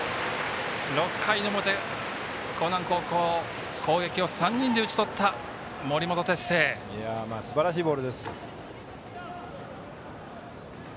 ６回の表、興南高校の攻撃を３人で打ち取ったすばらしいボールです。